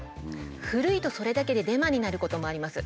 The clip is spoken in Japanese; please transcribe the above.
古いとそれだけでデマになることもあります。